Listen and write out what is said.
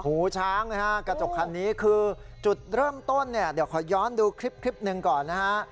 หูช้างนะฮะกระจกคันนี้คือจุดเริ่มต้นเนี่ยเดี๋ยวขอย้อนดูคลิปหนึ่งก่อนนะฮะ